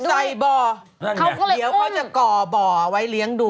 เดี๋ยวเขาจะก่อบ่อไว้เลี้ยงดู